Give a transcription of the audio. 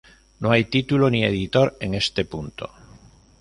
No hay título ni editor en este punto.